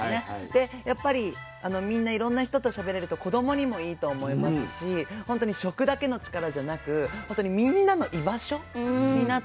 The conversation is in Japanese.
でやっぱりみんないろんな人としゃべれると子どもにもいいと思いますし本当に食だけの力じゃなくみんなの居場所になっているっていうのがすばらしいなと思いますね。